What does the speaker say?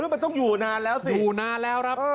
มันต้องอยู่นานแล้วสิอยู่นานแล้วครับ